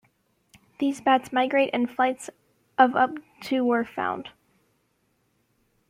These bats migrate, and flights of up to were found.